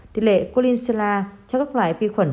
tỷ lệ kulinshela cho các loại vi khuẩn